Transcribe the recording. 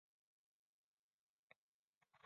利瑟贝里是位于瑞典哥德堡的主题公园。